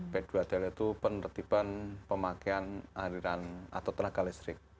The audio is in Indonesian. p dua dll itu penertiban pemakaian aliran atau tenaga listrik